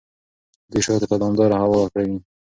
دوی شاتو ته دوامداره هوا ورکوي.